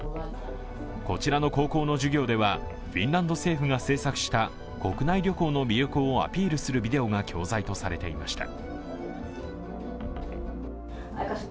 こちらの高校の授業ではフィンランド政府が制作した国内旅行の魅力をアピールするビデオが教材とされていました。